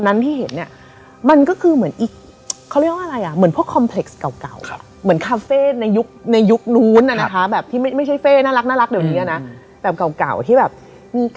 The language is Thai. ในยุคนั้นมันดูประหลาดมาก